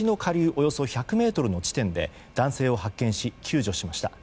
およそ１００ｍの地点で男性を発見し救助しました。